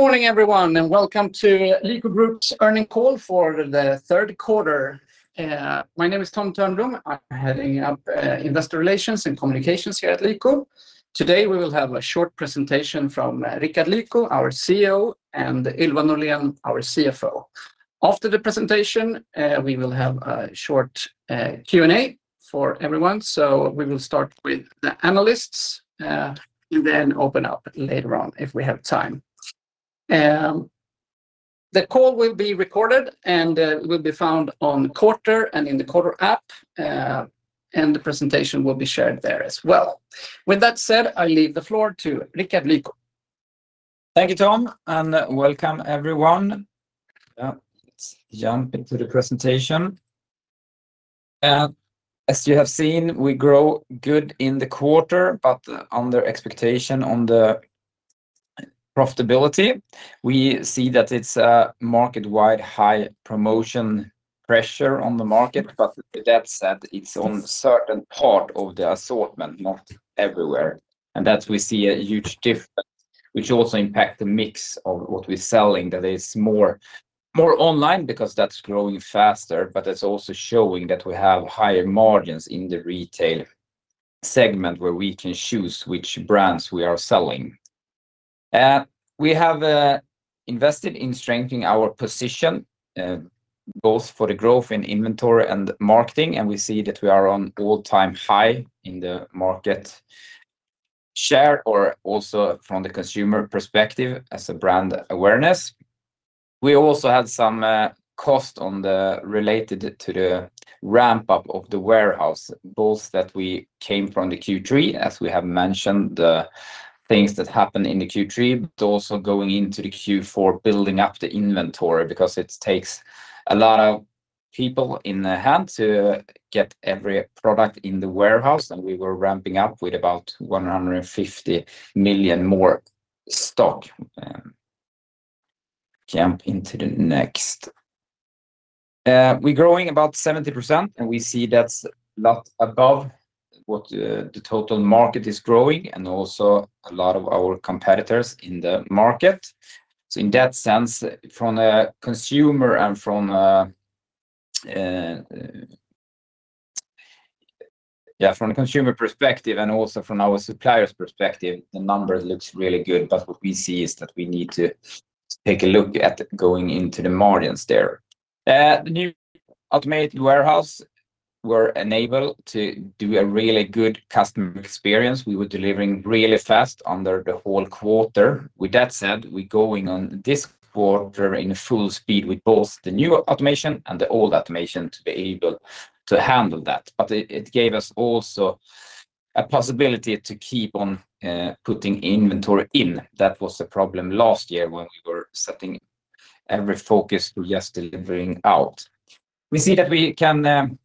Morning everyone, and welcome to Lyko Group's earnings call for the third quarter. My name is Tom Thörnblom. I'm heading up Investor Relations and Communications here at Lyko. Today, we will have a short presentation from Rickard Lyko, our CEO, and Ylva Norlén, our CFO. After the presentation, we will have a short Q&A for everyone. So we will start with the analysts, and then open up later on if we have time. The call will be recorded and will be found on Quartr and in the Quartr app, and the presentation will be shared there as well. With that said, I leave the floor to Rickard Lyko. Thank you, Tom, and welcome everyone. Let's jump into the presentation. As you have seen, we grow good in the quarter, but under expectation on the profitability. We see that it's a market-wide high promotion pressure on the market, but with that said, it's on certain part of the assortment, not everywhere. And that we see a huge difference, which also impact the mix of what we're selling, that is more, more online because that's growing faster, but that's also showing that we have higher margins in the retail segment, where we can choose which brands we are selling. We have invested in strengthening our position, both for the growth in inventory and marketing, and we see that we are on all-time high in the market share, or also from the consumer perspective as a brand awareness. We also had some cost on the... Related to the ramp up of the warehouse, both that we came from the Q3, as we have mentioned, the things that happened in the Q3, but also going into the Q4, building up the inventory, because it takes a lot of people in the hand to get every product in the warehouse, and we were ramping up with about 150 million more stock. Jump into the next. We're growing about 70%, and we see that's a lot above what the total market is growing and also a lot of our competitors in the market. So in that sense, from a consumer perspective and also from our suppliers' perspective, the numbers look really good, but what we see is that we need to take a look at going into the margins there. The new automated warehouse were enabled to do a really good customer experience. We were delivering really fast under the whole quarter. With that said, we're going on this quarter in full speed with both the new automation and the old automation to be able to handle that. But it gave us also a possibility to keep on putting inventory in. That was the problem last year when we were setting every focus to just delivering out. We see that we can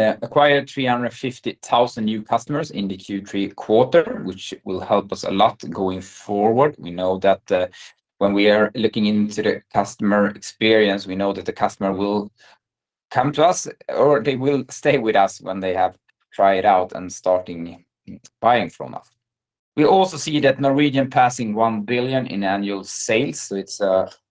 acquire 350,000 new customers in the Q3 quarter, which will help us a lot going forward. We know that when we are looking into the customer experience, we know that the customer will come to us, or they will stay with us when they have tried out and starting buying from us. We also see that Norwegian passing 1 billion in annual sales, so it's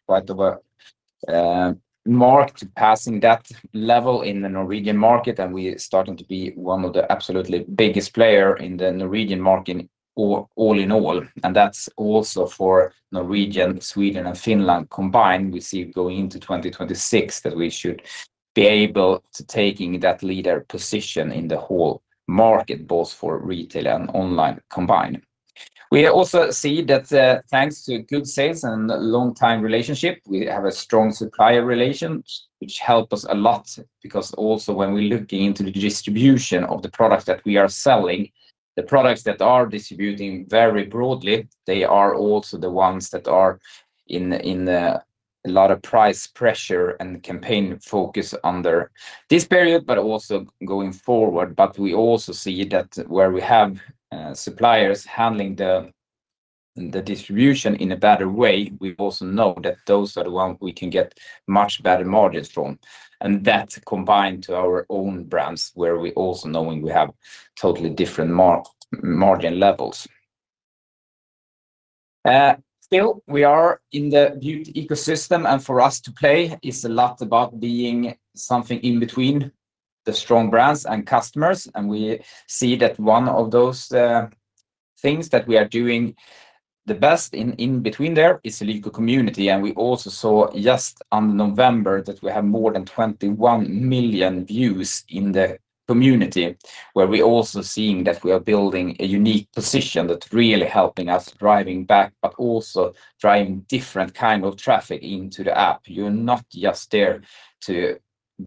quite of a mark to passing that level in the Norwegian market, and we're starting to be one of the absolutely biggest player in the Norwegian market all, all in all, and that's also for Norwegian, Sweden, and Finland combined. We see going into 2026, that we should be able to taking that leader position in the whole market, both for retail and online combined. We also see that, thanks to good sales and long-time relationship, we have a strong supplier relations, which help us a lot, because also when we're looking into the distribution of the products that we are selling, the products that are distributing very broadly, they are also the ones that are in, in, a lot of price pressure and campaign focus under this period, but also going forward. But we also see that where we have, suppliers handling the distribution in a better way, we also know that those are the ones we can get much better margins from. And that combined to our own brands, where we also knowing we have totally different margin levels. Still, we are in the beauty ecosystem, and for us to play is a lot about being something in between the strong brands and customers, and we see that one of those, things that we are doing the best in, in between there is Lyko Community, and we also saw just on November, that we have more than 21 million views in the community, where we're also seeing that we are building a unique position that's really helping us driving back, but also driving different kind of traffic into the app. You're not just there to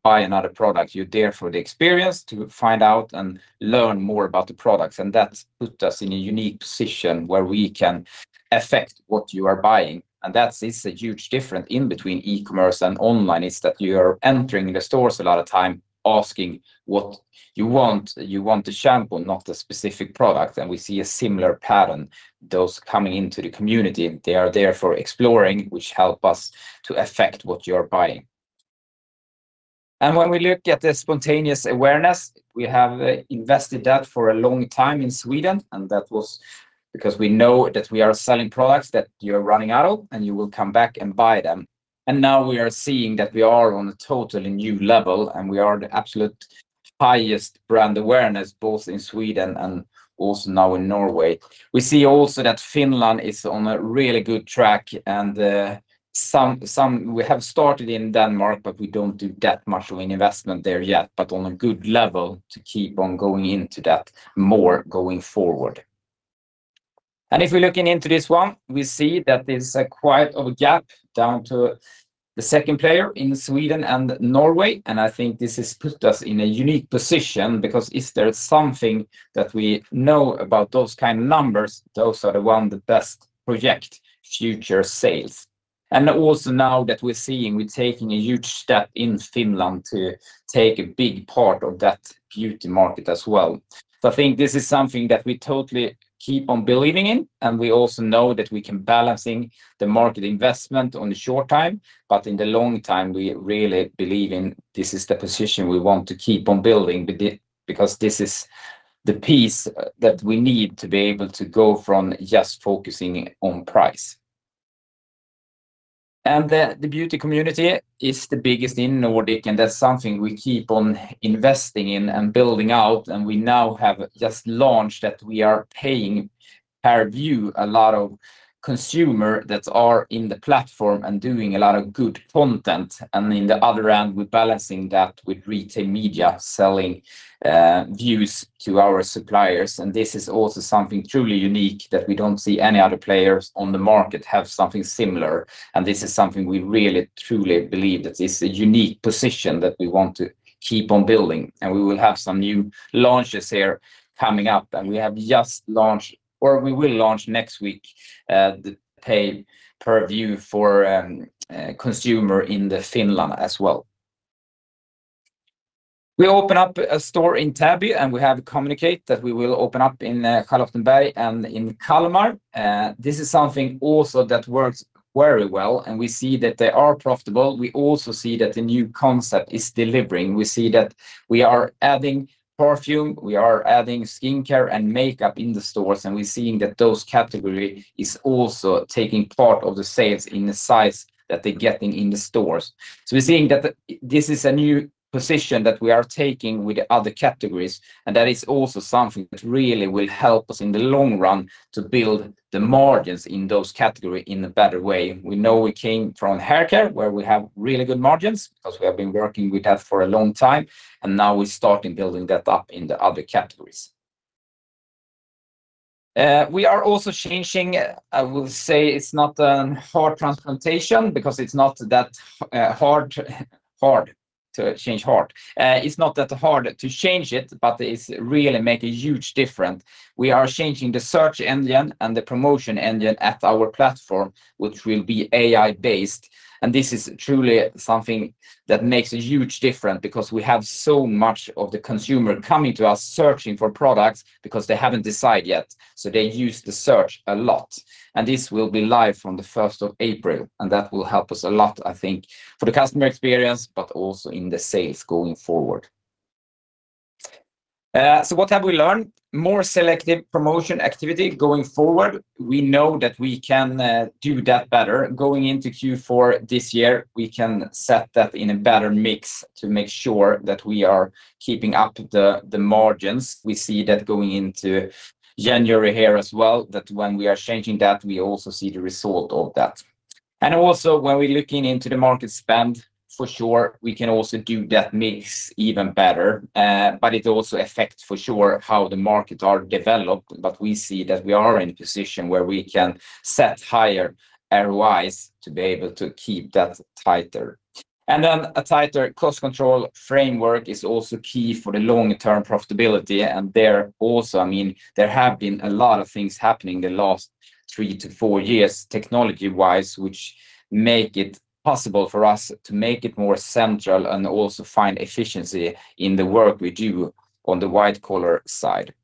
buy another product. You're there for the experience, to find out and learn more about the products, and that's put us in a unique position where we can affect what you are buying, and that is a huge difference in between e-commerce and online, is that you are entering the stores a lot of time asking what you want. You want a shampoo, not a specific product, and we see a similar pattern, those coming into the community, they are there for exploring, which help us to affect what you're buying. When we look at the spontaneous awareness, we have invested that for a long time in Sweden, and that was because we know that we are selling products that you're running out of, and you will come back and buy them. And now we are seeing that we are on a totally new level, and we are the absolute highest brand awareness, both in Sweden and also now in Norway. We see also that Finland is on a really good track, and we have started in Denmark, but we don't do that much of an investment there yet, but on a good level to keep on going into that more going forward. And if we're looking into this one, we see that there's quite a gap down to the second player in Sweden and Norway, and I think this has put us in a unique position, because if there is something that we know about those kind of numbers, those are the one that best project future sales. And also now that we're seeing, we're taking a huge step in Finland to take a big part of that beauty market as well. So I think this is something that we totally keep on believing in, and we also know that we can balancing the market investment on the short time, but in the long time, we really believe in this is the position we want to keep on building because this is the piece that we need to be able to go from just focusing on price. And the, the beauty community is the biggest in Nordic, and that's something we keep on investing in and building out, and we now have just launched that we are paying per view a lot of consumer that are in the platform and doing a lot of good content. In the other end, we're balancing that with retail media, selling views to our suppliers. This is also something truly unique that we don't see any other players on the market have something similar, and this is something we really, truly believe that is a unique position that we want to keep on building. We will have some new launches here coming up, and we have just launched or we will launch next week the Pay-Per-View for consumer in the Finland as well. We open up a store in Täby, and we have communicate that we will open up in Bergvik and in Kalmar, and this is something also that works very well, and we see that they are profitable. We also see that the new concept is delivering. We see that we are adding perfume, we are adding skincare and makeup in the stores, and we're seeing that those category is also taking part of the sales in the size that they're getting in the stores. So we're seeing that, this is a new position that we are taking with the other categories, and that is also something that really will help us in the long run to build the margins in those category in a better way. We know we came from haircare, where we have really good margins, because we have been working with that for a long time, and now we're starting building that up in the other categories. We are also changing, I will say it's not a heart transplantation, because it's not that, hard, hard to change heart. It's not that hard to change it, but it's really make a huge difference. We are changing the search engine and the promotion engine at our platform, which will be AI-based, and this is truly something that makes a huge difference because we have so much of the consumer coming to us searching for products because they haven't decided yet, so they use the search a lot. And this will be live from the first of April, and that will help us a lot, I think, for the customer experience, but also in the sales going forward. So what have we learned? More selective promotion activity going forward. We know that we can do that better. Going into Q4 this year, we can set that in a better mix to make sure that we are keeping up the margins. We see that going into January here as well, that when we are changing that, we also see the result of that. And also, when we're looking into the market spend, for sure, we can also do that mix even better, but it also affect for sure how the markets are developed, but we see that we are in a position where we can set higher ROIs to be able to keep that tighter. And then a tighter cost control framework is also key for the long-term profitability, and there also, I mean, there have been a lot of things happening in the last three to four years, technology-wise, which make it possible for us to make it more central and also find efficiency in the work we do on the white collar side.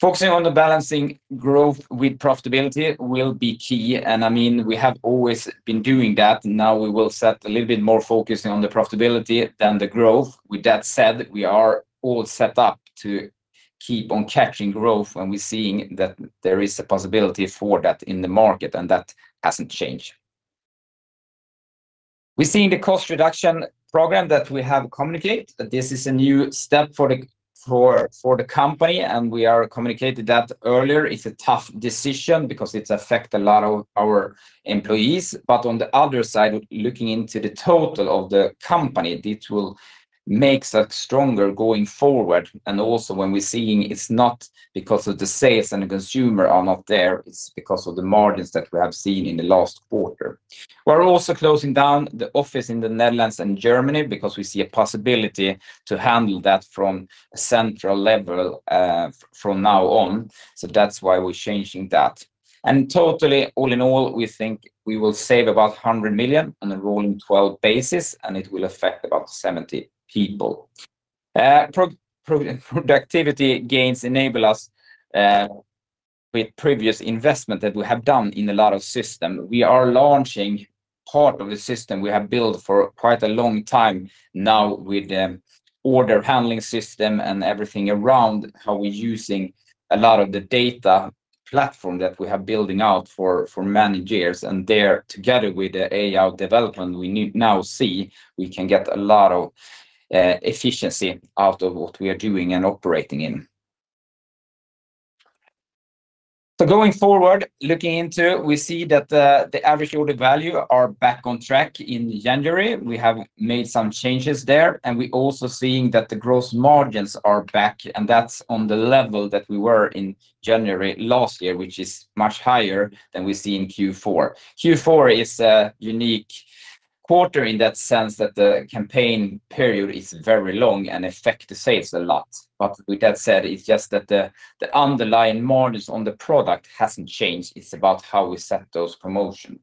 Focusing on the balancing growth with profitability will be key, and, I mean, we have always been doing that. Now we will set a little bit more focusing on the profitability than the growth. With that said, we are all set up to keep on catching growth, and we're seeing that there is a possibility for that in the market, and that hasn't changed. We've seen the cost reduction program that we have communicate, that this is a new step for the company, and we are communicated that earlier. It's a tough decision because it affect a lot of our employees, but on the other side, looking into the total of the company, it will make us stronger going forward. Also, when we're seeing it's not because of the sales and the consumer are not there, it's because of the margins that we have seen in the last quarter. We're also closing down the office in the Netherlands and Germany because we see a possibility to handle that from a central level, from now on, so that's why we're changing that. And totally, all in all, we think we will save about 100 million on a rolling twelve basis, and it will affect about 70 people. Productivity gains enable us with previous investment that we have done in a lot of system; we are launching part of the system we have built for quite a long time now, with the order handling system and everything around how we're using a lot of the data platform that we have building out for many years. And there, together with the AI development, we now see we can get a lot of efficiency out of what we are doing and operating in. So going forward, looking into, we see that the average order value are back on track in January. We have made some changes there, and we also seeing that the gross margins are back, and that's on the level that we were in January last year, which is much higher than we see in Q4. Q4 is a unique quarter in that sense that the campaign period is very long and affect the sales a lot. But with that said, it's just that the underlying margins on the product hasn't changed. It's about how we set those promotion.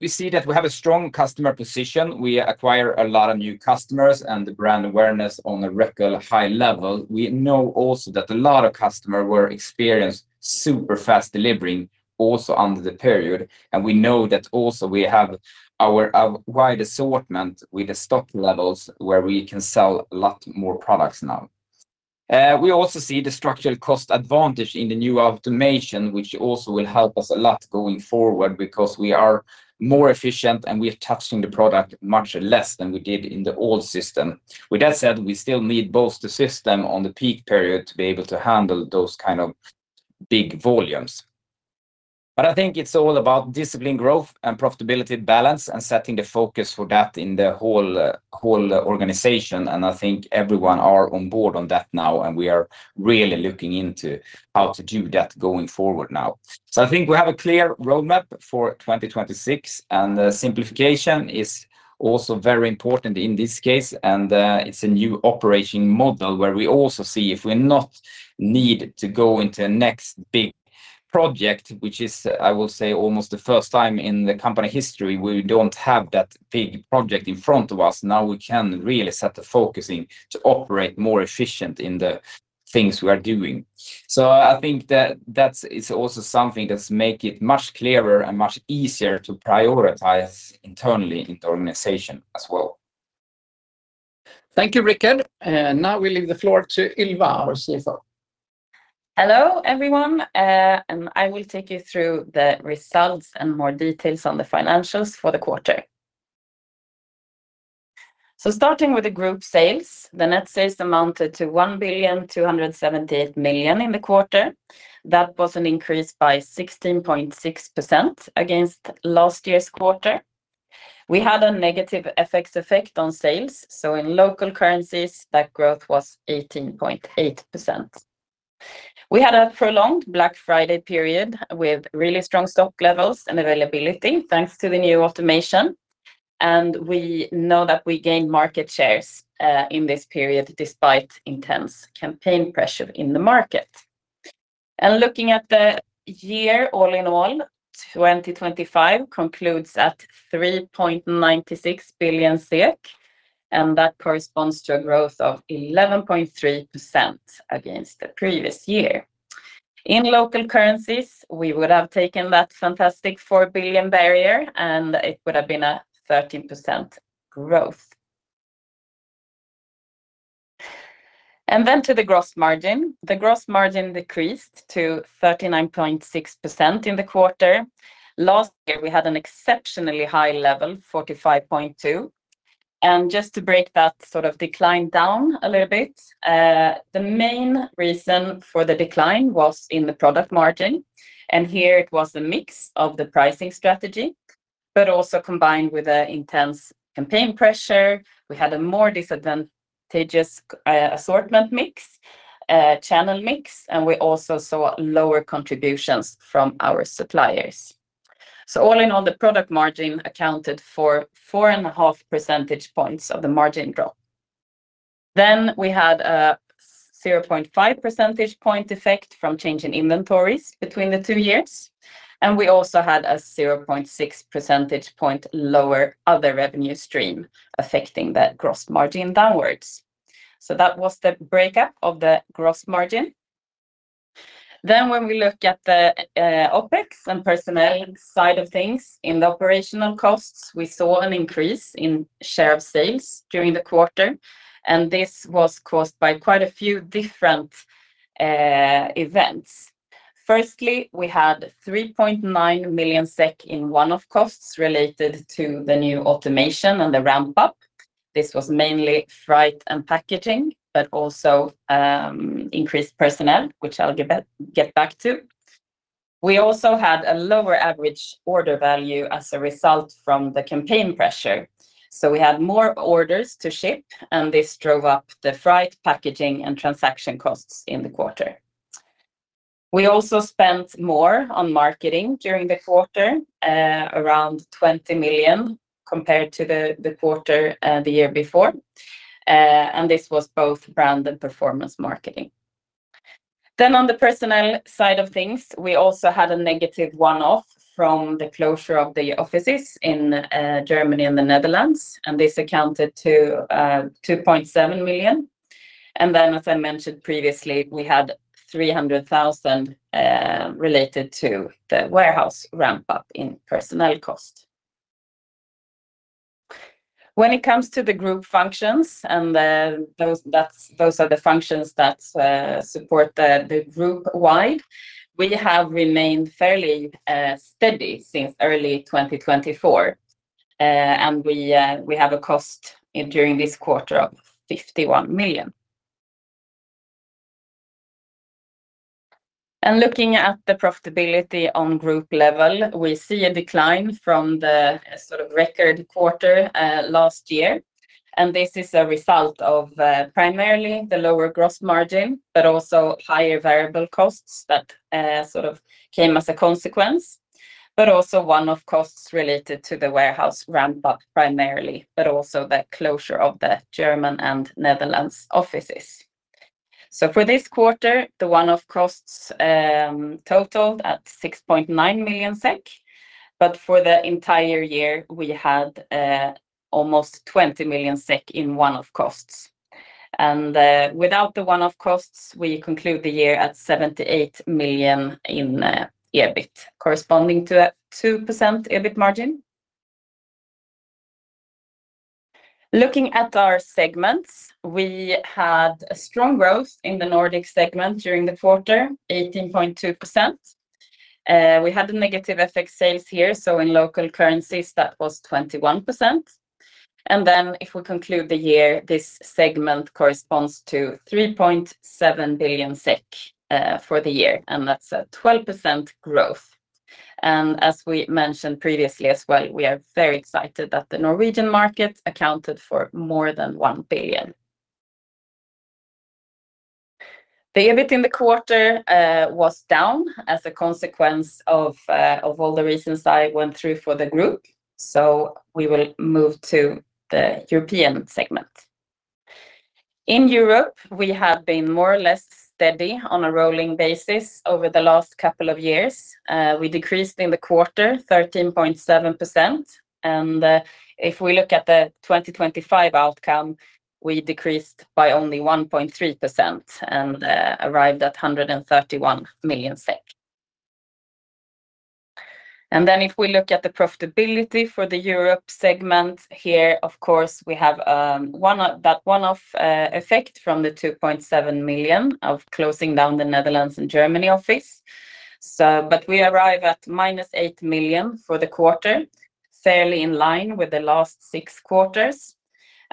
We see that we have a strong customer position. We acquire a lot of new customers and the brand awareness on a record high level. We know also that a lot of customers were experienced super fast delivering also under the period, and we know that also we have our wide assortment with the stock levels, where we can sell a lot more products now. We also see the structural cost advantage in the new automation, which also will help us a lot going forward, because we are more efficient and we are touching the product much less than we did in the old system. With that said, we still need both the system on the peak period to be able to handle those kind of big volumes. But I think it's all about discipline, growth and profitability balance, and setting the focus for that in the whole organization. And I think everyone are on board on that now, and we are really looking into how to do that going forward now. So I think we have a clear roadmap for 2026, and the simplification is also very important in this case. And, it's a new operating model where we also see if we not need to go into the next big project, which is, I will say, almost the first time in the company history, we don't have that big project in front of us. Now, we can really set the focusing to operate more efficient in the things we are doing. So I think that that is also something that make it much clearer and much easier to prioritize internally in the organization as well. Thank you, Rickard, and now we leave the floor to Ylva, our CFO. Hello, everyone, and I will take you through the results and more details on the financials for the quarter. So starting with the group sales, the net sales amounted to 1,278 million in the quarter. That was an increase by 16.6% against last year's quarter. We had a negative FX effect on sales, so in local currencies, that growth was 18.8%. We had a prolonged Black Friday period with really strong stock levels and availability, thanks to the new automation, and we know that we gained market shares in this period, despite intense campaign pressure in the market. Looking at the year, all in all, 2025 concludes at 3.96 billion, and that corresponds to a growth of 11.3% against the previous year. In local currencies, we would have taken that fantastic 4 billion barrier, and it would have been a 13% growth. And then to the gross margin. The gross margin decreased to 39.6% in the quarter. Last year, we had an exceptionally high level, 45.2%, and just to break that sort of decline down a little bit, the main reason for the decline was in the product margin, and here it was the mix of the pricing strategy, but also combined with an intense campaign pressure. We had a more disadvantageous assortment mix, channel mix, and we also saw lower contributions from our suppliers. So all in all, the product margin accounted for 4.5 percentage points of the margin drop. Then we had a 0.5 percentage point effect from change in inventories between the two years, and we also had a 0.6 percentage point lower other revenue stream affecting that gross margin downwards. So that was the breakdown of the gross margin. Then when we look at the OpEx and personnel side of things, in the operational costs, we saw an increase in share of sales during the quarter, and this was caused by quite a few different events. Firstly, we had 3.9 million SEK in one-off costs related to the new automation and the ramp-up. This was mainly freight and packaging, but also increased personnel, which I'll get back to. We also had a lower average order value as a result from the campaign pressure, so we had more orders to ship, and this drove up the freight, packaging, and transaction costs in the quarter. We also spent more on marketing during the quarter, around 20 million, compared to the quarter the year before. And this was both brand and performance marketing. Then on the personnel side of things, we also had a negative one-off from the closure of the offices in Germany and the Netherlands, and this accounted to 2.7 million. And then, as I mentioned previously, we had 300,000 related to the warehouse ramp-up in personnel cost. When it comes to the group functions, those are the functions that support the group-wide, we have remained fairly steady since early 2024. We have a cost during this quarter of 51 million. Looking at the profitability on group level, we see a decline from the sort of record quarter last year. This is a result of primarily the lower gross margin, but also higher variable costs that sort of came as a consequence, but also one-off costs related to the warehouse ramp-up primarily, but also the closure of the German and Netherlands offices. For this quarter, the one-off costs totaled at 6.9 million SEK, but for the entire year, we had almost 20 million SEK in one-off costs. Without the one-off costs, we conclude the year at 78 million in EBIT, corresponding to a 2% EBIT margin. Looking at our segments, we had a strong growth in the Nordic segment during the quarter, 18.2%. We had a negative effect sales here, so in local currencies, that was 21%. And then if we conclude the year, this segment corresponds to 3.7 billion SEK for the year, and that's a 12% growth. And as we mentioned previously as well, we are very excited that the Norwegian market accounted for more than 1 billion NOK. The EBIT in the quarter was down as a consequence of all the reasons I went through for the group, so we will move to the European segment. In Europe, we have been more or less steady on a rolling basis over the last couple of years. We decreased in the quarter 13.7%, and if we look at the 2025 outcome, we decreased by only 1.3% and arrived at 131 million SEK. And then if we look at the profitability for the Europe segment here, of course, we have that one-off effect from the 2.7 million SEK of closing down the Netherlands and Germany office. So, but we arrive at -8 million SEK for the quarter, fairly in line with the last six quarters.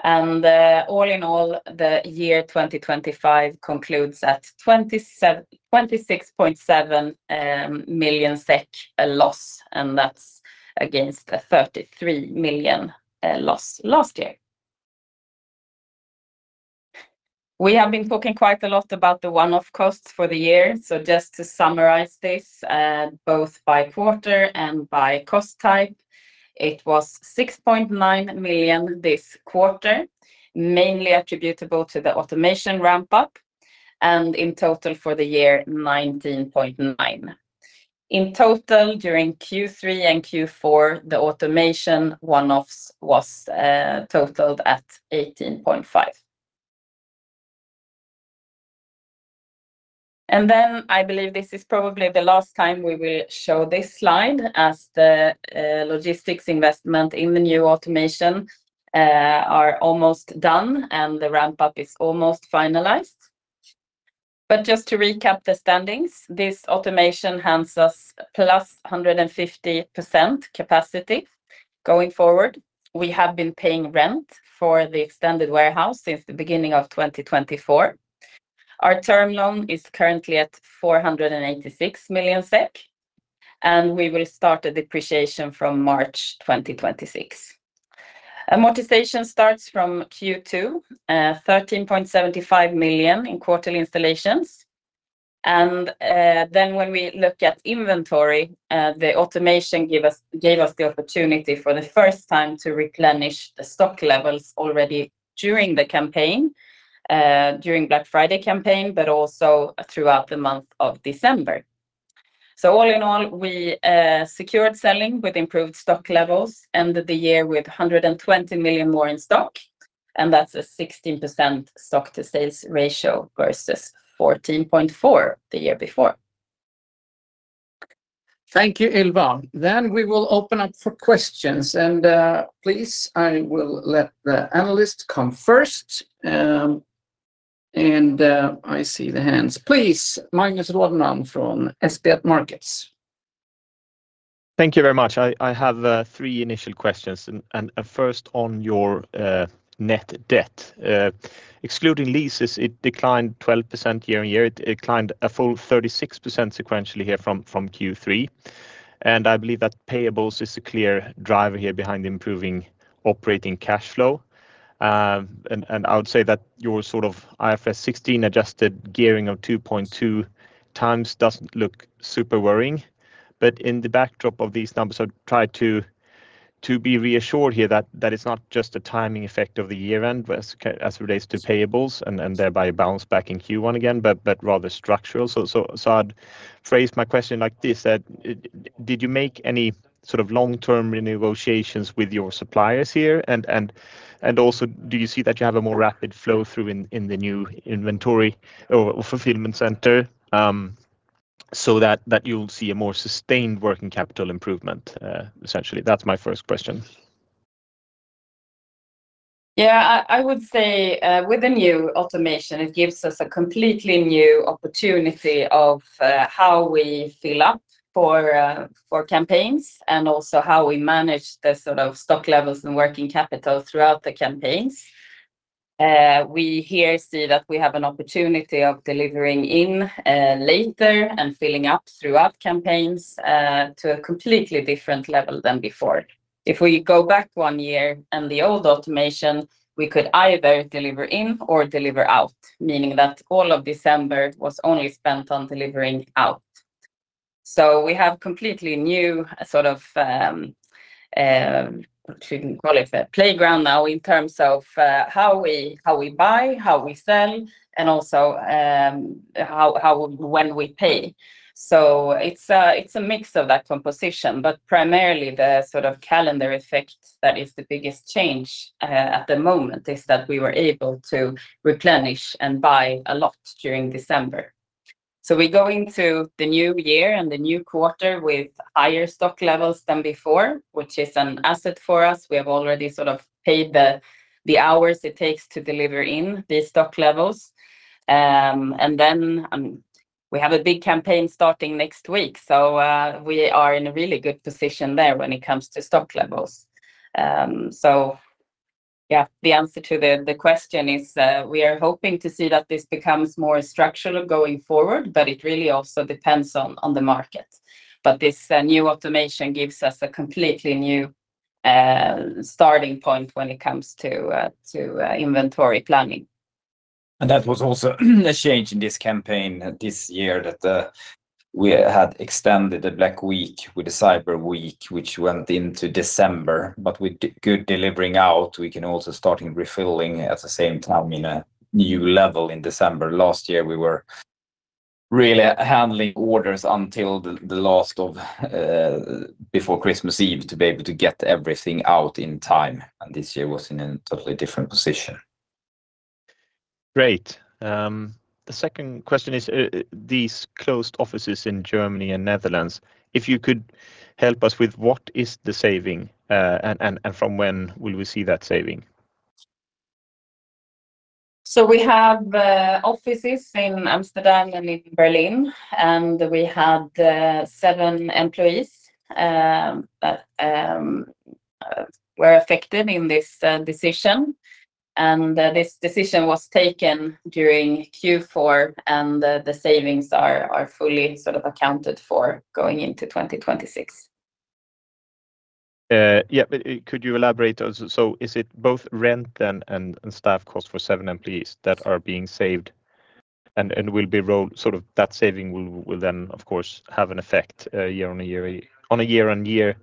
And all in all, the year 2025 concludes at 26.7 million SEK, a loss, and that's against a 33 million SEK loss last year. We have been talking quite a lot about the one-off costs for the year. So just to summarize this, both by quarter and by cost type, it was 6.9 million this quarter, mainly attributable to the automation ramp-up, and in total for the year, 19.9 million. In total, during Q3 and Q4, the automation one-offs was totaled at 18.5 million. Then I believe this is probably the last time we will show this slide as the logistics investment in the new automation are almost done, and the ramp-up is almost finalized. But just to recap the standings, this automation hands us +150% capacity. Going forward, we have been paying rent for the extended warehouse since the beginning of 2024. Our term loan is currently at 486 million SEK, and we will start the depreciation from March 2026. Amortization starts from Q2, 13.75 million SEK in quarterly installments. And then when we look at inventory, the automation gave us the opportunity for the first time to replenish the stock levels already during the campaign, during Black Friday campaign, but also throughout the month of December. So all in all, we secured selling with improved stock levels, ended the year with 120 million SEK more in stock, and that's a 16% stock to sales ratio versus 14.4% the year before. Thank you, Ylva. We will open up for questions. Please, I will let the analyst come first. I see the hands. Please, Magnus Råman from Kepler Cheuvreux. Thank you very much. I have three initial questions, and first on your net debt. Excluding leases, it declined 12% year-on-year. It declined a full 36% sequentially from Q3. And I believe that payables is a clear driver here behind improving operating cash flow. And I would say that your sort of IFRS 16 adjusted gearing of 2.2 times doesn't look super worrying. But in the backdrop of these numbers, I'd try to be reassured here that it's not just a timing effect of the year-end as it relates to payables and thereby balance back in Q1 again, but rather structural. So I'd phrase my question like this, that did you make any sort of long-term negotiations with your suppliers here? Also, do you see that you have a more rapid flow through in the new inventory or fulfillment center? So that you'll see a more sustained working capital improvement, essentially. That's my first question. Yeah, I would say, with the new automation, it gives us a completely new opportunity of how we fill up for for campaigns and also how we manage the sort of stock levels and working capital throughout the campaigns. We here see that we have an opportunity of delivering in later and filling up throughout campaigns to a completely different level than before. If we go back one year and the old automation, we could either deliver in or deliver out, meaning that all of December was only spent on delivering out. So we have completely new sort of you can call it a playground now in terms of how we buy, how we sell, and also how when we pay. So it's a mix of that composition, but primarily the sort of calendar effect that is the biggest change at the moment is that we were able to replenish and buy a lot during December. So we go into the new year and the new quarter with higher stock levels than before, which is an asset for us. We have already sort of paid the hours it takes to deliver in these stock levels. And then we have a big campaign starting next week, so we are in a really good position there when it comes to stock levels. So yeah, the answer to the question is we are hoping to see that this becomes more structural going forward, but it really also depends on the market. This new automation gives us a completely new starting point when it comes to inventory planning. That was also a change in this campaign this year, that we had extended the Black Week with the Cyber Week, which went into December, but with good delivering out, we can also starting refilling at the same time in a new level in December. Last year, we were really handling orders until the last of before Christmas Eve to be able to get everything out in time, and this year was in a totally different position. Great. The second question is, these closed offices in Germany and Netherlands, if you could help us with what is the saving, and from when will we see that saving? So we have offices in Amsterdam and in Berlin, and we had seven employees that were affected in this decision. This decision was taken during Q4, and the savings are fully sort of accounted for going into 2026. Yeah, but could you elaborate also? So is it both rent and staff cost for seven employees that are being saved and will be rolled, sort of that saving will then, of course, have an effect year on a year, on a year-on-year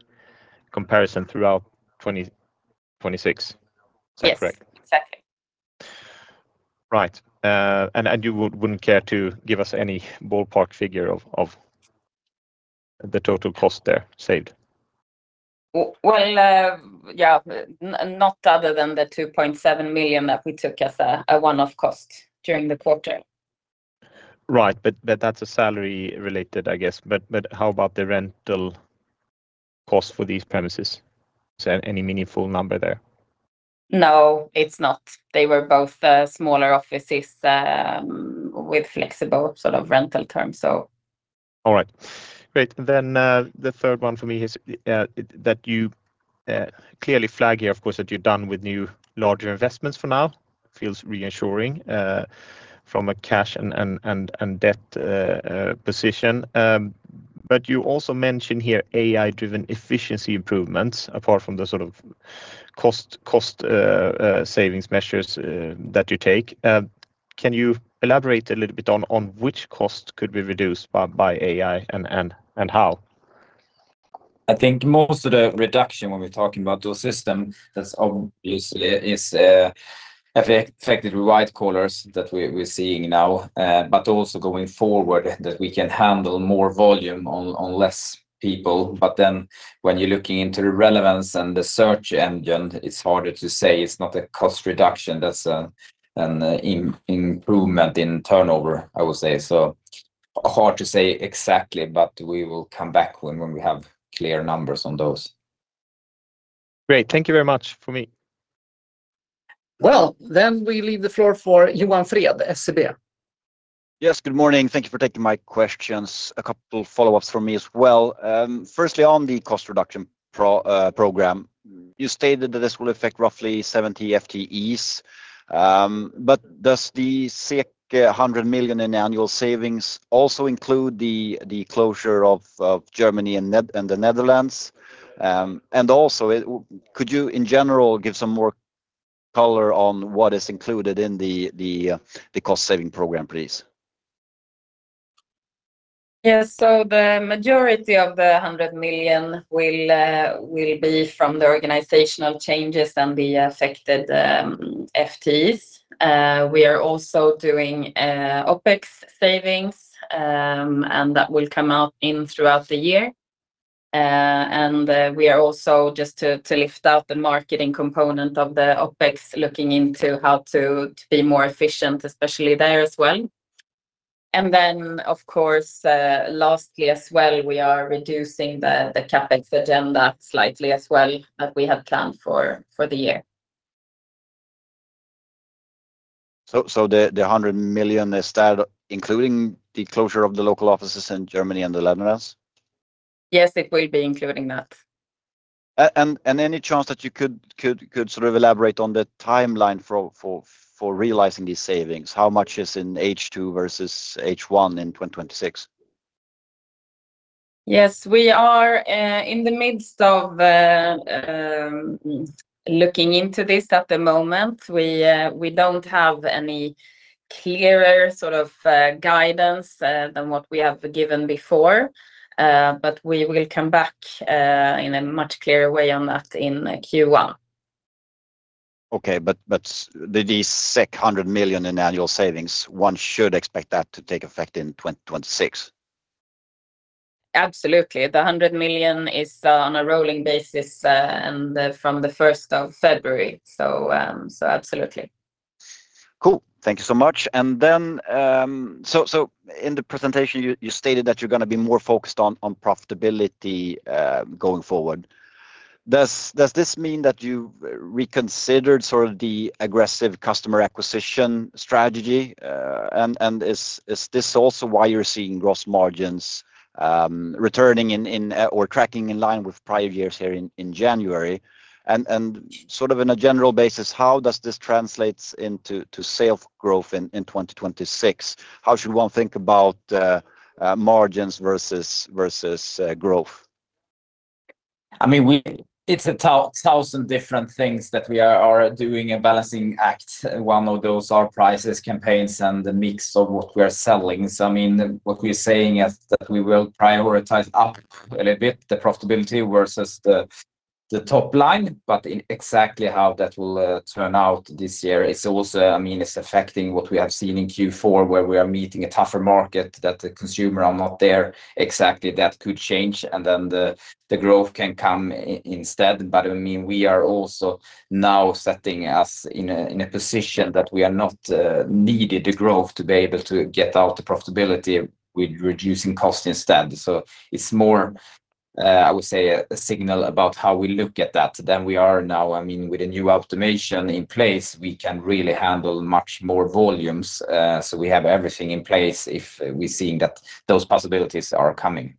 comparison throughout 2026. Is that correct? Yes, exactly. Right. And you wouldn't care to give us any ballpark figure of the total cost there saved? Well, yeah, not other than the 2.7 million that we took as a one-off cost during the quarter. Right. But that's a salary-related, I guess. But how about the rental cost for these premises? Is there any meaningful number there? No, it's not. They were both smaller offices with flexible sort of rental terms, so. All right. Great. Then, the third one for me is, that you clearly flag here, of course, that you're done with new, larger investments for now. Feels reassuring, from a cash and debt position. But you also mentioned here AI-driven efficiency improvements, apart from the sort of cost savings measures, that you take. Can you elaborate a little bit on, which cost could be reduced by AI and how? I think most of the reduction when we're talking about those system, that's obviously affected white collars that we're seeing now, but also going forward, that we can handle more volume on less people. But then when you're looking into the relevance and the search engine, it's harder to say, it's not a cost reduction, that's an improvement in turnover, I would say. So hard to say exactly, but we will come back when we have clear numbers on those. Great. Thank you very much for me. Well, then we leave the floor for Johan Fred, SEB. Yes, good morning. Thank you for taking my questions. A couple follow-ups from me as well. Firstly, on the cost reduction program, you stated that this will affect roughly 70 FTEs. But does the 100 million in annual savings also include the closure of Germany and the Netherlands? And also, could you, in general, give some more color on what is included in the cost-saving program, please? Yes, so the majority of the 100 million will be from the organizational changes and the affected FTEs. We are also doing OpEx savings, and that will come out throughout the year. And we are also just to lift out the marketing component of the OpEx, looking into how to be more efficient, especially there as well. And then, of course, lastly, as well, we are reducing the CapEx agenda slightly as well, that we had planned for the year. So, the 100 million, is that including the closure of the local offices in Germany and the Netherlands? Yes, it will be including that. Any chance that you could sort of elaborate on the timeline for realizing these savings? How much is in H2 versus H1 in 2026? Yes. We are in the midst of looking into this at the moment. We don't have any clearer sort of guidance than what we have given before. But we will come back in a much clearer way on that in Q1. Okay, but, but these 100 million in annual savings, one should expect that to take effect in 2026? Absolutely. The 100 million is on a rolling basis, and from the first of February. So, so absolutely. Cool. Thank you so much. And then, in the presentation, you stated that you're gonna be more focused on profitability, going forward. Does this mean that you reconsidered sort of the aggressive customer acquisition strategy? And is this also why you're seeing gross margins returning in or tracking in line with prior years here in January? And sort of in a general basis, how does this translates into sales growth in 2026? How should one think about margins versus growth? I mean, it's a thousand different things that we are doing a balancing act. One of those are prices, campaigns, and the mix of what we are selling. So, I mean, what we are saying is that we will prioritize up a little bit, the profitability versus the top line, but in exactly how that will turn out this year, it's also, I mean, it's affecting what we have seen in Q4, where we are meeting a tougher market, that the consumer are not there exactly. That could change, and then the growth can come instead. But, I mean, we are also now setting us in a position that we are not needed the growth to be able to get out the profitability with reducing cost instead. So it's more, I would say, a signal about how we look at that than we are now. I mean, with the new automation in place, we can really handle much more volumes. So we have everything in place if we're seeing that those possibilities are coming.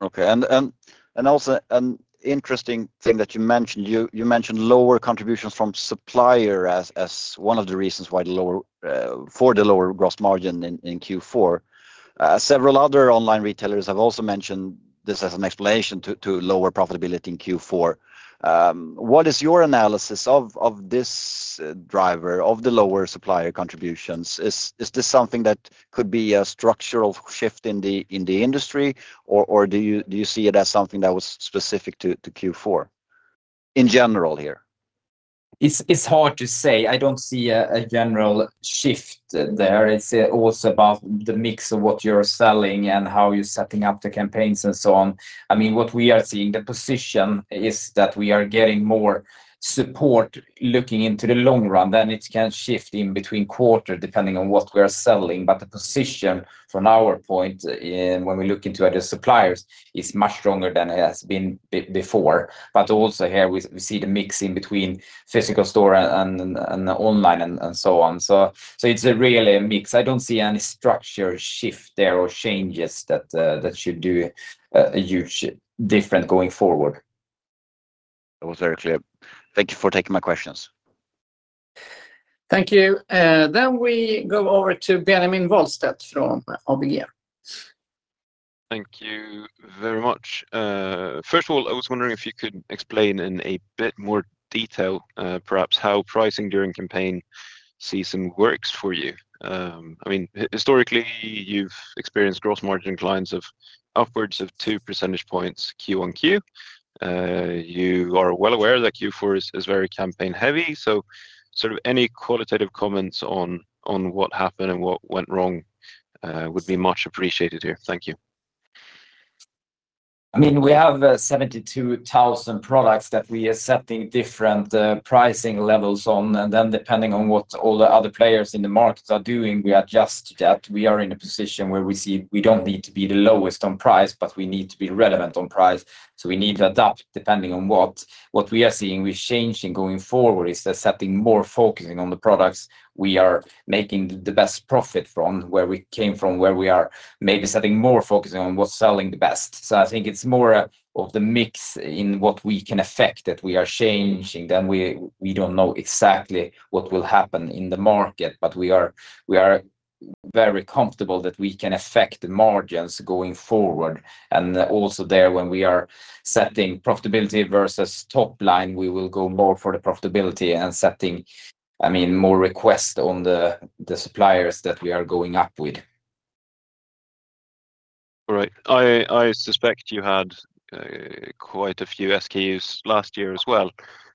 Okay. And also an interesting thing that you mentioned, you mentioned lower contributions from supplier as one of the reasons why the lower, for the lower gross margin in Q4. Several other online retailers have also mentioned this as an explanation to lower profitability in Q4. What is your analysis of this driver, of the lower supplier contributions? Is this something that could be a structural shift in the industry, or do you see it as something that was specific to Q4, in general here? It's hard to say. I don't see a general shift there. It's also about the mix of what you're selling and how you're setting up the campaigns and so on. I mean, what we are seeing, the position is that we are getting more support looking into the long run, then it can shift in between quarter, depending on what we are selling. But the position from our point in, when we look into other suppliers, is much stronger than it has been before. But also here we see the mix in between physical store and online and so on. So it's really a mix. I don't see any structure shift there or changes that should do a huge different going forward. That was very clear. Thank you for taking my questions. Thank you. Then we go over to Benjamin Wahlstedt from ABG. Thank you very much. First of all, I was wondering if you could explain in a bit more detail, perhaps how pricing during campaign season works for you. I mean, historically, you've experienced gross margin declines of upwards of two percentage points Q on Q. You are well aware that Q4 is very campaign-heavy, so sort of any qualitative comments on what happened and what went wrong would be much appreciated here. Thank you. I mean, we have 72,000 products that we are setting different pricing levels on, and then depending on what all the other players in the market are doing, we adjust that. We are in a position where we see we don't need to be the lowest on price, but we need to be relevant on price. So we need to adapt depending on what we are seeing. We're changing going forward is that setting more focusing on the products we are making the best profit from, where we came from, where we are maybe setting more focusing on what's selling the best. So I think it's more of the mix in what we can affect that we are changing than we don't know exactly what will happen in the market. But we are very comfortable that we can affect the margins going forward. And also there, when we are setting profitability versus top line, we will go more for the profitability and setting, I mean, more request on the suppliers that we are going up with. All right. I suspect you had quite a few SKUs last year as well.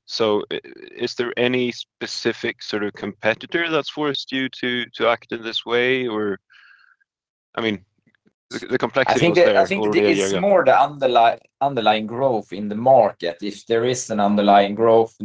So is there any specific sort of competitor that's forced you to act in this way? Or, I mean, the complexity was there a year ago. I think, I think it is more the underlying growth in the market, if there is an underlying growth.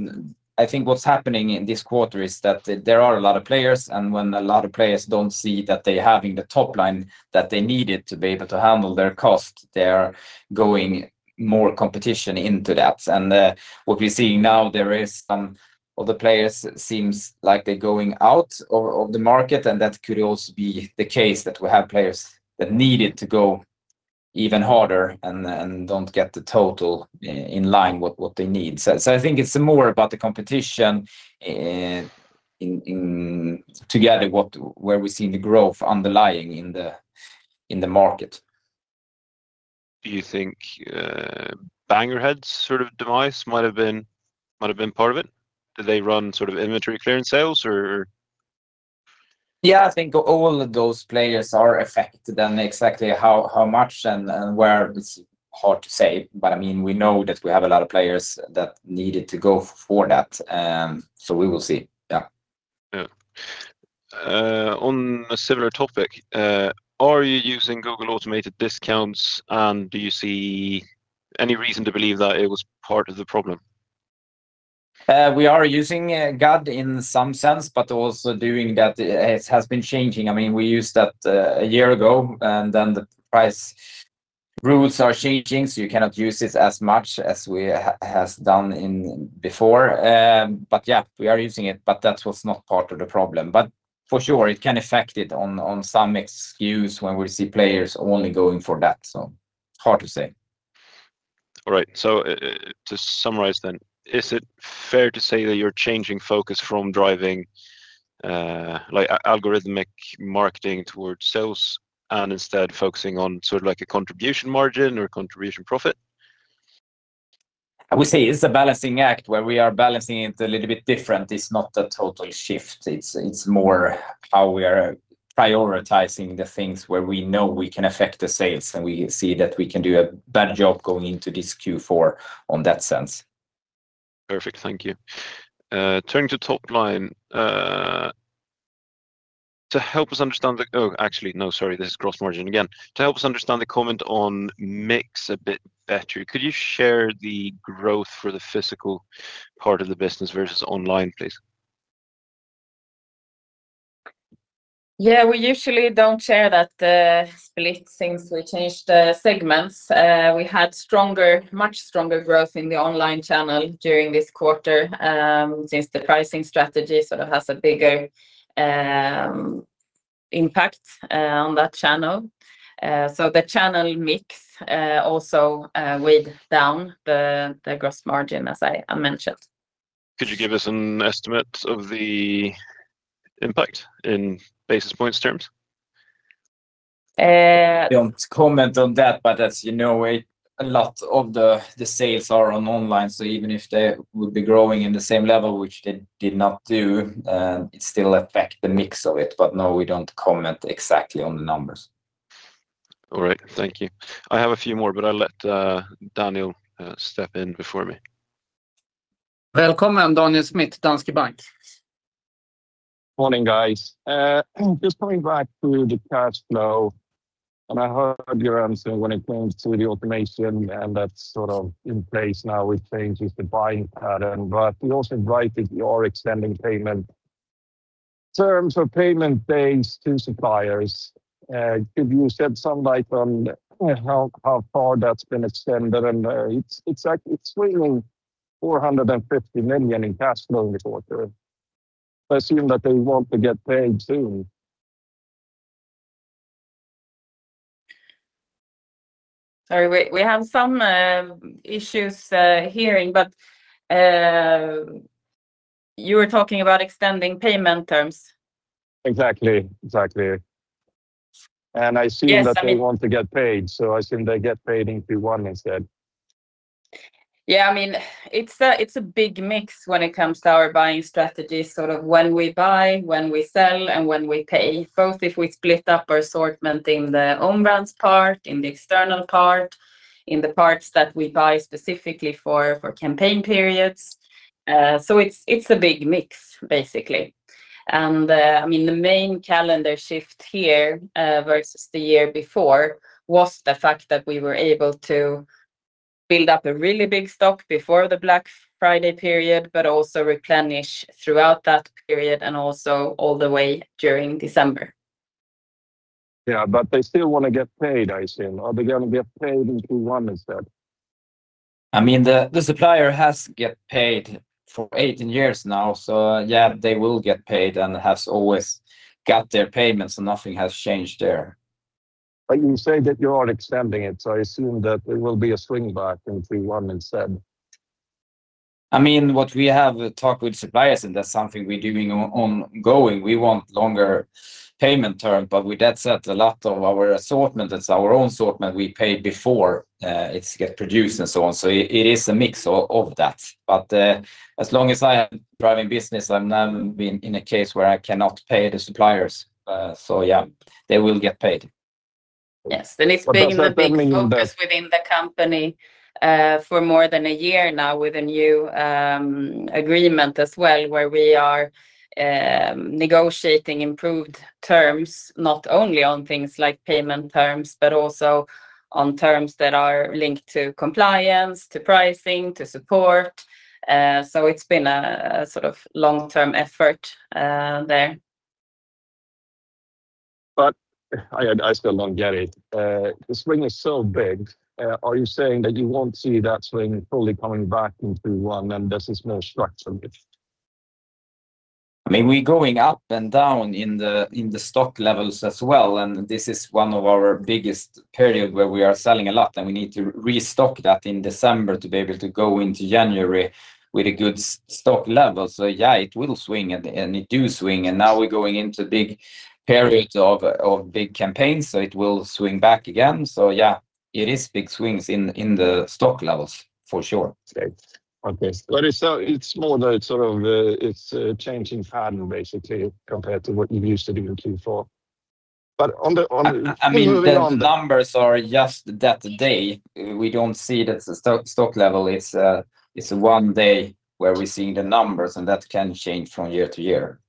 I think what's happening in this quarter is that there are a lot of players, and when a lot of players don't see that they're having the top line that they needed to be able to handle their cost, they are going more competition into that. And, what we're seeing now, there is some of the players seems like they're going out of the market, and that could also be the case, that we have players that needed to go even harder and don't get the total in line with what they need. So, so I think it's more about the competition in together where we're seeing the growth underlying in the market. Do you think, Bangerhead's sort of demise might have been, might have been part of it? Do they run sort of inventory clearance sales, or? Yeah, I think all of those players are affected, and exactly how, how much and, and where, it's hard to say. But, I mean, we know that we have a lot of players that needed to go for that, so we will see. Yeah. Yeah. On a similar topic, are you using Google Automated Discounts, and do you see any reason to believe that it was part of the problem? We are using GAD in some sense, but also doing that. It has been changing. I mean, we used that a year ago, and then the price rules are changing, so you cannot use it as much as we has done in before. But yeah, we are using it, but that was not part of the problem. But for sure, it can affect it on some SKUs when we see players only going for that, so hard to say. All right, so, to summarize then, is it fair to say that you're changing focus from driving, like algorithmic marketing towards sales, and instead focusing on sort of like a contribution margin or contribution profit? I would say it's a balancing act, where we are balancing it a little bit different. It's not a total shift. It's, it's more how we are prioritizing the things where we know we can affect the sales, and we see that we can do a better job going into this Q4 on that sense. Perfect, thank you. Turning to top line, Oh, actually, no, sorry, there's gross margin again. To help us understand the comment on mix a bit better, could you share the growth for the physical part of the business versus online, please? Yeah, we usually don't share that split since we changed the segments. We had stronger, much stronger growth in the online channel during this quarter, since the pricing strategy sort of has a bigger impact on that channel. So the channel mix also weighed down the gross margin, as I mentioned. Could you give us an estimate of the impact in basis points terms? Uh- We don't comment on that, but as you know, a lot of the sales are online, so even if they would be growing in the same level, which they did not do, it still affect the mix of it, but no, we don't comment exactly on the numbers. All right, thank you. I have a few more, but I'll let Daniel step in before me. Welcome, Daniel Schmidt, Danske Bank. Morning, guys. Just coming back to the cash flow, and I heard your answer when it comes to the automation, and that's sort of in place now, which changes the buying pattern. But you also wrote that you are extending payment terms or payment days to suppliers. Could you shed some light on how far that's been extended? And it's like it's swinging 450 million in cash flow in the quarter. I assume that they want to get paid soon. Sorry, we have some issues hearing, but you were talking about extending payment terms. Exactly. Exactly. Yes, I mean- I assume that they want to get paid, so I assume they get paid in Q1 instead. Yeah, I mean, it's a big mix when it comes to our buying strategy, sort of when we buy, when we sell, and when we pay, both if we split up our assortment in the own brands part, in the external part, in the parts that we buy specifically for campaign periods. So it's a big mix, basically. And, I mean, the main calendar shift here versus the year before was the fact that we were able to build up a really big stock before the Black Friday period, but also replenish throughout that period and also all the way during December. Yeah, but they still wanna get paid, I assume. Are they gonna get paid in Q1 instead? I mean, the supplier has got paid for 18 years now, so yeah, they will get paid and has always got their payments, and nothing has changed there. But you say that you are extending it, so I assume that it will be a swing back in Q1 instead. I mean, what we have talked with suppliers, and that's something we're doing ongoing. We want longer payment term, but with that said, a lot of our assortment, that's our own assortment, we pay before it get produced and so on. So it is a mix of that. But as long as I am driving business, I've never been in a case where I cannot pay the suppliers. So yeah, they will get paid.... Yes, and it's been a big focus within the company for more than a year now, with a new agreement as well, where we are negotiating improved terms, not only on things like payment terms, but also on terms that are linked to compliance, to pricing, to support. So it's been a sort of long-term effort there. But I still don't get it. The swing is so big. Are you saying that you won't see that swing fully coming back into one, and this is more structural? I mean, we're going up and down in the stock levels as well, and this is one of our biggest period where we are selling a lot, and we need to restock that in December to be able to go into January with a good stock level. So yeah, it will swing, and it do swing, and now we're going into big periods of big campaigns, so it will swing back again. So yeah, it is big swings in the stock levels for sure. Okay. Okay. But it's, it's more the sort of, it's a changing pattern basically, compared to what you're used to doing before. But on the, on- I mean, the numbers are just that day. We don't see that the stock level is one day where we're seeing the numbers, and that can change from year to year.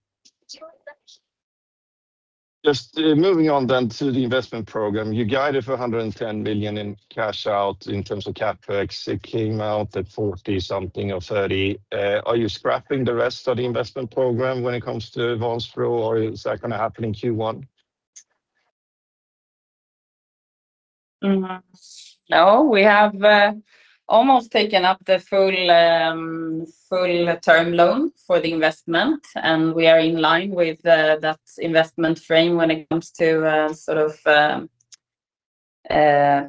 Just, moving on then to the investment program. You guided for 110 million in cash out in terms of CapEx. It came out at 40-something or 30. Are you scrapping the rest of the investment program when it comes to Vansbro, or is that gonna happen in Q1? No, we have almost taken up the full term loan for the investment, and we are in line with that investment frame when it comes to sort of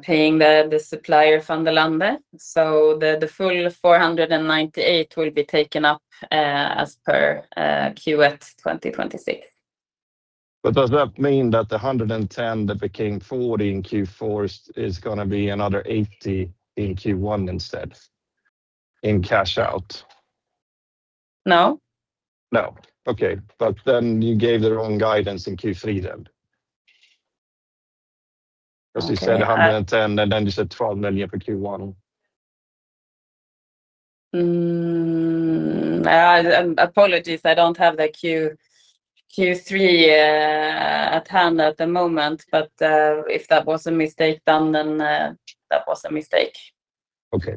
paying the supplier Vanderlande. So the full 498 will be taken up as per Q1 2026. But does that mean that the 110 that became 40 in Q4 is gonna be another 80 in Q1 instead, in cash out? No. No. Okay, but then you gave the wrong guidance in Q3 then. Okay, uh- 'Cause you said 110, and then you said 12 million for Q1. I apologize. I don't have the Q3 at hand at the moment, but if that was a mistake, then that was a mistake. Okay.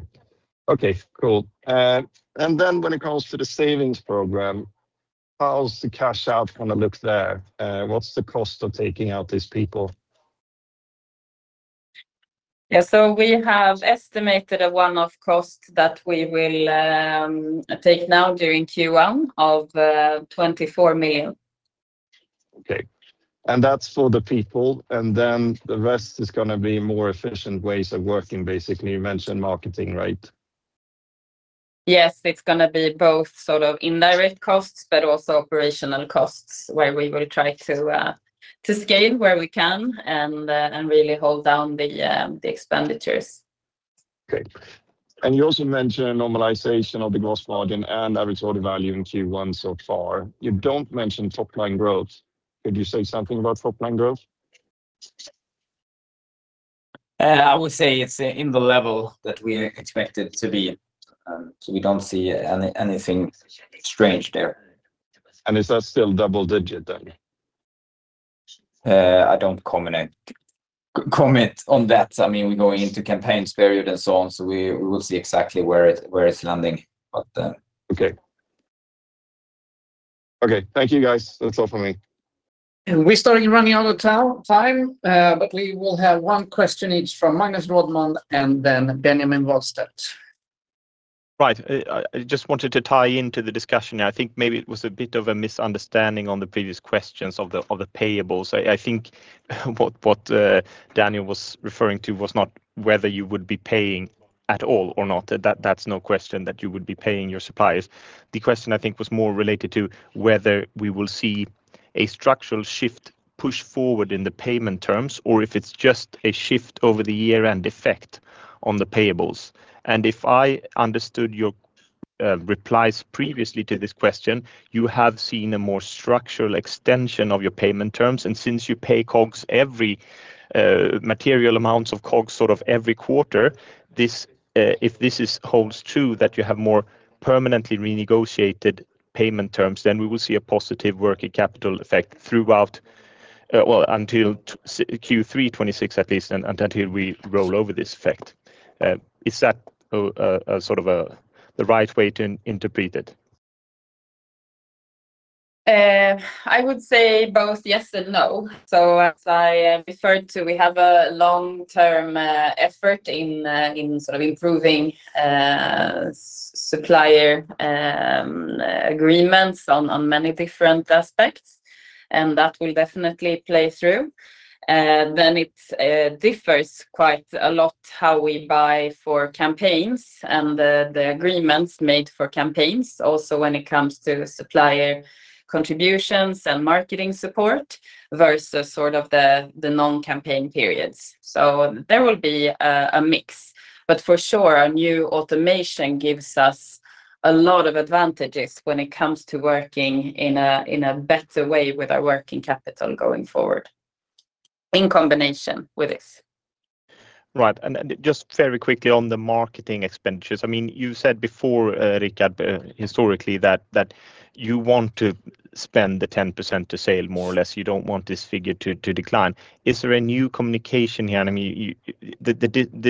Okay, cool. And then when it comes to the savings program, how's the cash out gonna look there? What's the cost of taking out these people? Yeah, so we have estimated a one-off cost that we will take now during Q1 of 24 million. Okay, and that's for the people, and then the rest is gonna be more efficient ways of working, basically. You mentioned marketing, right? Yes, it's gonna be both sort of indirect costs, but also operational costs, where we will try to scale where we can and really hold down the expenditures. Okay. And you also mentioned normalization of the gross margin and average order value in Q1 so far. You don't mention top-line growth. Could you say something about top-line growth? I would say it's in the level that we expect it to be. We don't see anything strange there. Is that still double-digit, then? I don't comment on that. I mean, we're going into campaigns period and so on, so we will see exactly where it's landing, but- Okay. Okay, thank you, guys. That's all for me. We're starting running out of time, but we will have one question each from Magnus Råman and then Benjamin Wahlstedt. Right. I just wanted to tie into the discussion. I think maybe it was a bit of a misunderstanding on the previous questions of the payables. I think what Daniel was referring to was not whether you would be paying at all or not. That's no question that you would be paying your suppliers. The question I think was more related to whether we will see a structural shift push forward in the payment terms, or if it's just a shift over the year-end effect on the payables. If I understood your replies previously to this question, you have seen a more structural extension of your payment terms, and since you pay COGS every material amounts of COGS, sort of every quarter, this, if this is holds true, that you have more permanently renegotiated payment terms, then we will see a positive working capital effect throughout, well, until Q3 2026 at least, and until we roll over this effect. Is that a sort of the right way to interpret it? I would say both yes and no. As I referred to, we have a long-term effort in sort of improving supplier agreements on many different aspects, and that will definitely play through. Then it differs quite a lot how we buy for campaigns and the agreements made for campaigns. Also, when it comes to supplier contributions and marketing support versus sort of the non-campaign periods. There will be a mix, but for sure, our new automation gives us a lot of advantages when it comes to working in a better way with our working capital going forward, in combination with this. ... Right, and just very quickly on the marketing expenditures, I mean, you said before, Rickard, historically, that you want to spend the 10% of sales more or less. You don't want this figure to decline. Is there a new communication here? I mean, the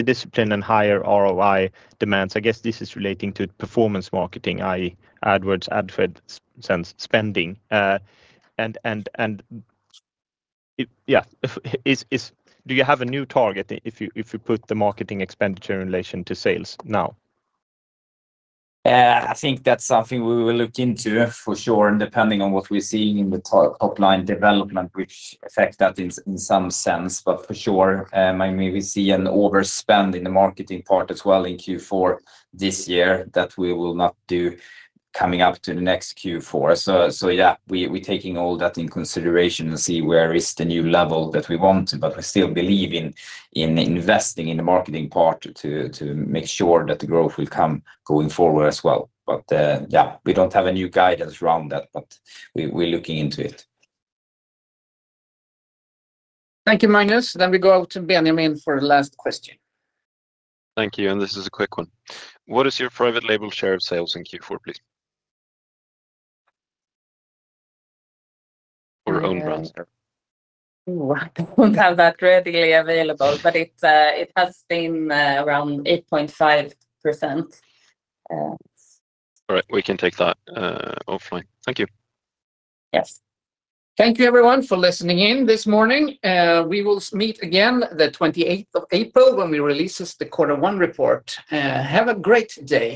discipline and higher ROI demands, I guess this is relating to performance marketing, i.e., AdWords, AdSense spending. Yeah, do you have a new target if you put the marketing expenditure in relation to sales now? I think that's something we will look into for sure, and depending on what we're seeing in the top line development, which affects that in some sense, but for sure, I mean, we see an overspend in the marketing part as well in Q4 this year, that we will not do coming up to the next Q4. So yeah, we taking all that in consideration and see where is the new level that we want, but we still believe in investing in the marketing part to make sure that the growth will come going forward as well. But yeah, we don't have a new guidance around that, but we're looking into it. Thank you, Magnus. Then we go out to Benjamin for the last question. Thank you, and this is a quick one. What is your private label share of sales in Q4, please? Your own brand share. Oh, I don't have that readily available, but it has been around 8.5%. All right, we can take that offline. Thank you. Yes. Thank you everyone for listening in this morning. We will meet again the twenty-eighth of April when we release the quarter one report. Have a great day!